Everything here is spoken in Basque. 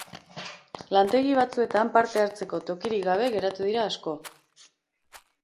Lantegi batzuetan parte hartzeko tokiri gabe geratu dira asko.